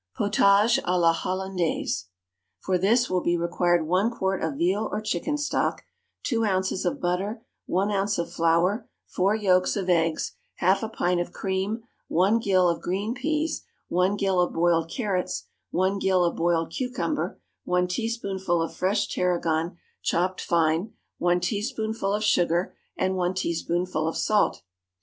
Potage à la Hollandaise. For this will be required one quart of veal or chicken stock, two ounces of butter, one ounce of flour, four yolks of eggs, half a pint of cream, one gill of green peas, one gill of boiled carrots, one gill of boiled cucumber, one teaspoonful of fresh tarragon chopped fine, one teaspoonful of sugar, and one teaspoonful of salt.